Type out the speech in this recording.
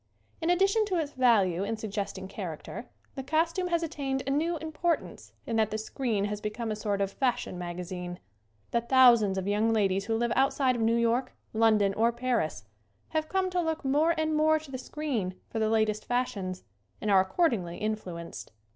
In addition to its value in suggesting char acter the costume has attained a new impor tance in that the screen has become a sort of fashion magazine. The thousands of young ladies who live outside of New York, London or Paris have come to look more and more to the screen for the latest fashions, and are ac cordingly influenced.